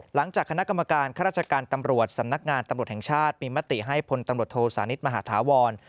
หลังจากคณะกรรมการข้าราชการตำรวจสำนักงานตำรวจแห่งชาติมีมติให้พลตำรวจโทสานิทมหาธาวร